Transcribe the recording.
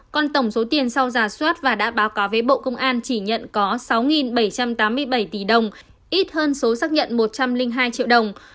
còn tổng số tiền sau giả soát và đã báo cáo với bộ công an chỉ nhận có sáu bảy trăm tám mươi bảy tỷ đồng ít hơn số xác nhận một trăm linh hai triệu đồng